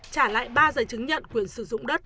trả lại ba giấy chứng nhận quyền sử dụng đất